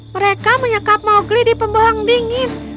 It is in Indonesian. mereka menyekap mowgli di pembohong dingin